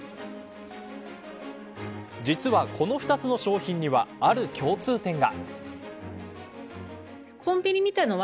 実は、この２つの商品にはある共通点が。